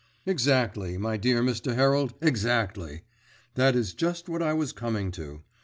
"Exactly, my dear Mr. Herald, exactly. That is just what I was coming to.